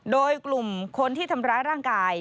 โดยกลุ่มคนที่ทำร้ายร่างกาย